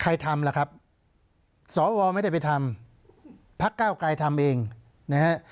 ใครทำแล้วครับสศวไม่ได้ไปทำพคก้าวไกลทำเองนะฮะ